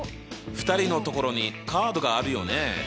２人のところにカードがあるよね。